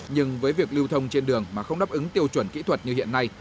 nhưng với việc lưu thông trên đường mà không đáp ứng tiêu chuẩn kỹ thuật như hiện nay